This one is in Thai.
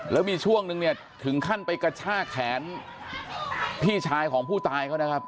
แล้วมีช่วงนึงเนี่ยถึงขั้นไปกระชากแขนพี่ชายของผู้ตายเขานะครับ